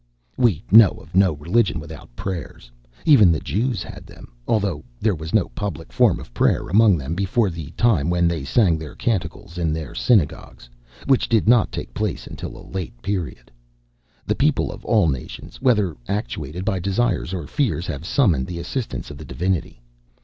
We know of no religion without prayers; even the Jews had them, although there was no public form of prayer among them before the time when they sang their canticles in their synagogues, which did not take place until a late period. The people of all nations, whether actuated by desires or fears, have summoned the assistance of the Divinity.